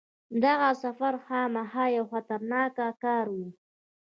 دغه سفر خامخا یو خطرناک کار وو.